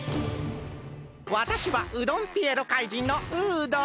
わたしはうどんピエロ怪人のウードン！